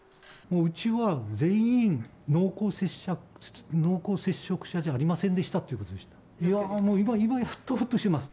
うちは全員、濃厚接触者じゃありませんでしたということでした。